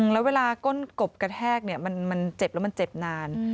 แล้วเวลาก้นกบกระแทกมันเจ็บแล้วมันเจ็บนาน